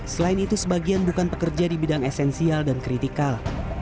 selain itu sebagian bukan pekerja di bidang esensial dan kritikal